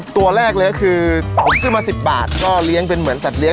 ตัวแรกเลยก็คือซื้อมา๑๐บาทก็เลี้ยงเป็นเหมือนสัตเลี้ย